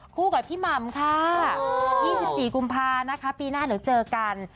คู่กับพี่หม่ำค่ะ๒๔กุมภาพี่หน้าเหลือเจอกัน